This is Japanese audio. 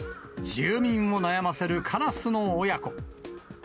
住民も悩ませるカラスの親子。